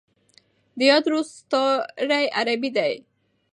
د يات روستاړی عربي دی.